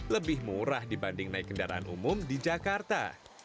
lebih murah dibanding naik kendaraan umum di jakarta